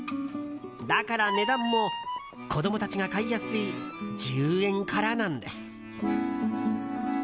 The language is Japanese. だから値段も、子供たちが買いやすい１０円からなんです。